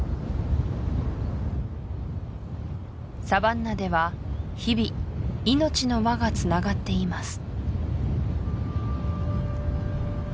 サバンナでは日々命の輪がつながっています